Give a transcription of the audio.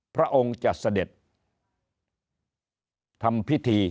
พระองค์จะเสด็จทำพิธี